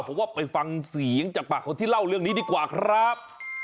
ผมว่าไปฟังเสียงจากปากคนที่เล่าเรื่องนี้ดีกว่าครับ